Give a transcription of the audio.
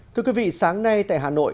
thưa quý vị sáng nay tại hà nội